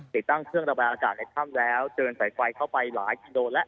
ติดตั้งเครื่องระบายอากาศในถ้ำแล้วเดินสายไฟเข้าไปหลายกิโลแล้ว